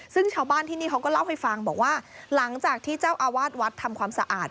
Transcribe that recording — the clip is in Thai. ซึ่งชาวบ้านที่นี่เขาก็เล่าให้ฟังบอกว่าหลังจากที่เจ้าอาวาสวัดทำความสะอาด